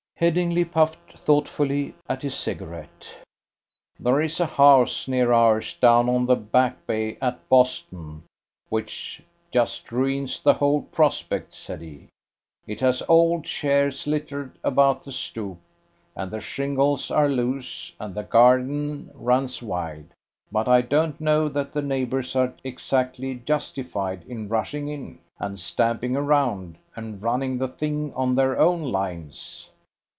Headingly puffed thoughtfully at his cigarette. "There is a house near ours, down on the Back Bay at Boston, which just ruins the whole prospect," said he. "It has old chairs littered about the stoop, and the shingles are loose, and the garden runs wild; but I don't know that the neighbours are exactly justified in rushing in, and stamping around, and running the thing on their own lines."